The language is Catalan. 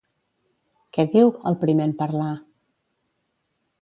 Què diu, el primer en parlar?